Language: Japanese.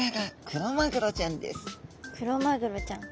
クロマグロちゃん。